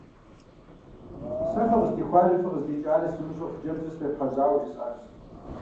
Сэ, фыкъыздихуари фыкъыздикӀари сымыщӀэу, хъыджэбзыр сфӀефхьэжьауэ жысӀэнщ.